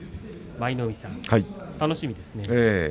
舞の海さん楽しみな一番ですね。